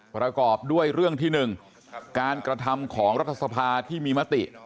ประกอบด้วยเรื่องที่๑การกระทำของรัฐสภาที่มีมติ